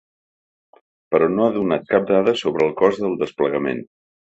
Però no ha donat cap dada sobre el cost del desplegament.